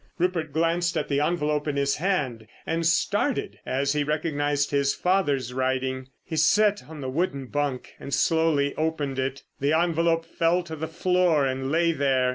Rupert glanced at the envelope in his hand, and started as he recognised his father's writing. He sat on the wooden bunk and slowly opened it. The envelope fell to the floor and lay there.